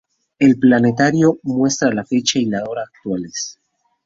El planetario muestra la fecha y la hora actuales.